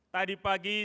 tadi pagi hari ini